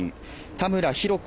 田村浩子